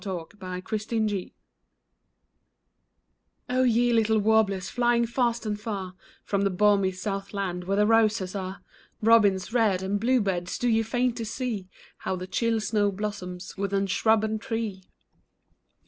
SINGING IN THE DARK O YE little warblers, flying fast and far From the balmy south land, where the roses are, Robins red and blue birds, do ye faint to see How the chill snow blossoms whiten shrub and tree